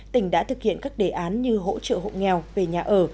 tỉnh đã thực hiện các đề án như hỗ trợ hộ nghèo về nhà ở